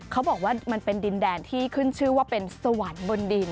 เขาบอกว่ามันเป็นดินแดนที่ขึ้นชื่อว่าเป็นสวรรค์บนดิน